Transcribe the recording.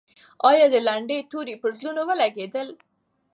آیا د لنډۍ توري پر زړونو ولګېدل؟